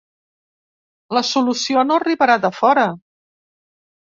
La solució no arribarà de fora.